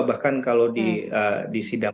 bahkan kalau di sidang